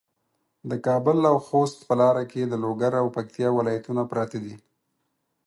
د کابل او خوست په لاره کې د لوګر او پکتیا ولایتونه پراته دي.